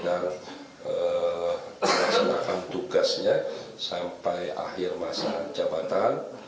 dan selengkapkan tugasnya sampai akhir masa jabatan